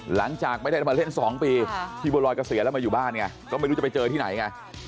หลังจากไม่ได้มาเล่น๒ปีที่บัวรอยเกษียณแล้วมาอยู่บ้านไงก็ไม่รู้จะไปเจอที่ไหนไง